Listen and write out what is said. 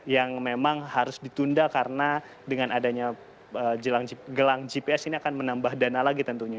yang memang harus ditunda karena dengan adanya gelang gps ini akan menambah dana lagi tentunya